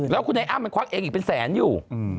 แล้วคุณไอ้อ้ำมันควักเองอีกเป็นแสนอยู่